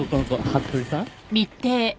服部さん。